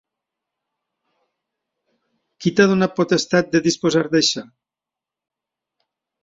Qui t'ha donat potestat de disposar d'això?